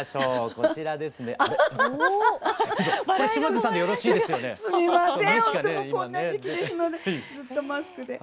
こんな時期ですのでずっとマスクではい。